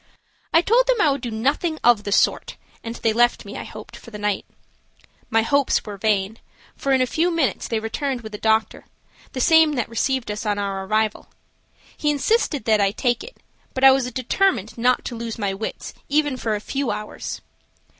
I told them I would do nothing of the sort and they left me, I hoped, for the night. My hopes were vain, for in a few minutes they returned with a doctor, the same that received us on our arrival. He insisted that I take it, but I was determined not to lose my wits even for a few hours.